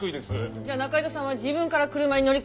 じゃあ仲井戸さんは自分から車に乗り込んだって事？